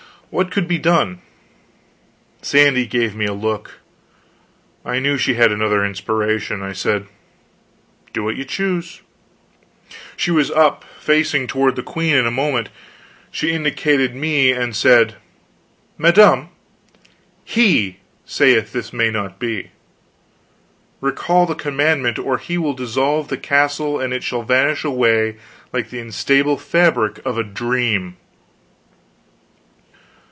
What could be done? Sandy gave me a look; I knew she had another inspiration. I said: "Do what you choose." She was up and facing toward the queen in a moment. She indicated me, and said: "Madame, he saith this may not be. Recall the commandment, or he will dissolve the castle and it shall vanish away like the instable fabric of a dream!"